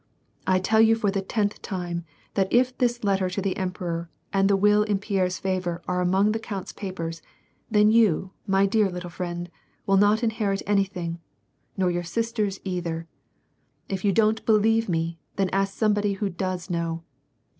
I tell you for the tenth time that if this letter to the emperor and the will in Pierre's favor are among the count^s papers, then you, my dear little friend, will not inherit any thing, nor your sisters either. If you don't believe me, then ;u5k somebody who does know.